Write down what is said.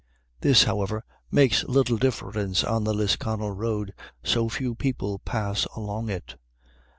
This, however, makes little difference on the Lisconnel road, so few people pass along it.